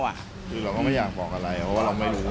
คือเราก็ไม่อยากบอกอะไรเพราะว่าเราไม่รู้